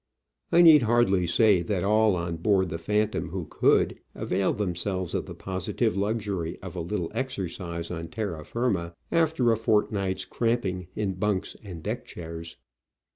I need hardly say that all on board the Phantom who could, availed themselves of the positive luxury of a little exercise on terra firma after a fortnight's cramping in bunks and deck chairs.